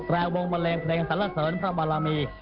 และวงบรรเลงเพลงศรัลศรพระบรรลามี